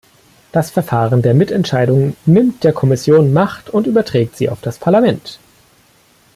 Das Verfahren der Mitentscheidung nimmt der Kommission Macht und überträgt sie auf das Parlament.